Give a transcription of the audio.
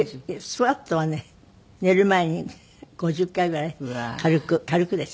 スクワットはね寝る前に５０回ぐらい軽く軽くですよ。